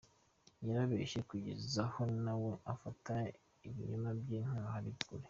Yarabeshye kugeza aho na we afata ibinyoma bye nk’aho ari ukuri.